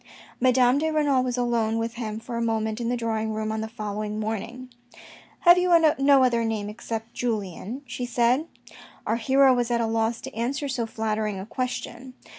Madame de Renal was alone with him for a moment in the drawing room on the following morning. " Have you no other name except Julien," she said. Our hero was at a loss to answer so flattering a question.